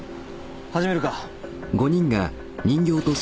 始めるか。